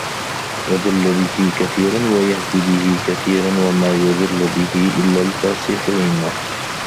ۘ يُضِلُّ بِهِ كَثِيرًا وَيَهْدِي بِهِ كَثِيرًا ۚ وَمَا يُضِلُّ بِهِ إِلَّا الْفَاسِقِينَ